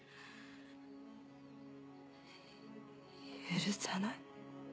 許さない！